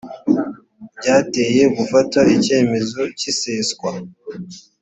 byateye gufata icyemezo cy iseswa